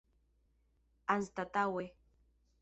anstataŭe